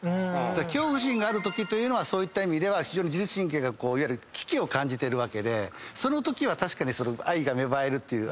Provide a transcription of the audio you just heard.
恐怖心があるときというのは非常に自律神経がいわゆる危機を感じてるわけでそのときは確かに愛が芽生えるっていう。